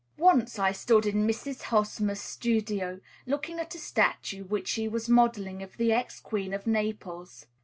Once I stood in Miss Hosmer's studio, looking at a statue which she was modelling of the ex queen of Naples.